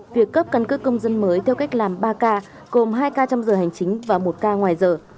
việc cấp căn cước công dân mới theo cách làm ba k gồm hai ca trong giờ hành chính và một ca ngoài giờ